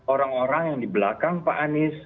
orang orang yang di belakang pak anies